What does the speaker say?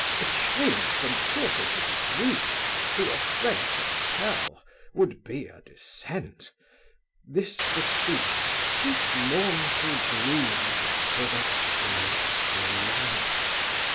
A change from quarters like these to a French hotel would be a descent! 'this the seat, this mournful gloom for that celestial light.'